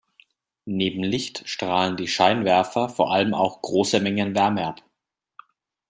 Neben Licht strahlen die Scheinwerfer vor allem auch große Mengen Wärme ab.